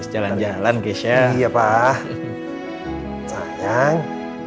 jalan jalan kesha iya pak sayang